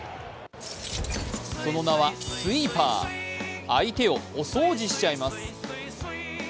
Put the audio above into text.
その名はスイーパー、相手をお掃除しちゃいます。